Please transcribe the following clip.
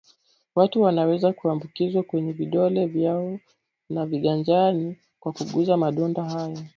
Watu wanaweza kuambukizwa kwenye vidole vyao na viganjani kwa kugusa madonda hayo